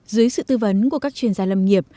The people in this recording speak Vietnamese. dưới sự tư vấn của các chuyên gia lâm nghiệp